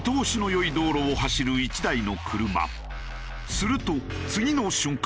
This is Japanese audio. すると次の瞬間。